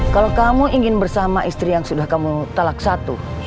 kalau kamu ingin bersama istri yang sudah kamu talak satu